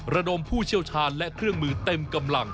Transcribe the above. ระดมผู้เชี่ยวชาญและเครื่องมือเต็มกำลัง